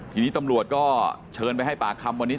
ทีนี้ตำรวจก็เชิญไปให้ปากคำวันนี้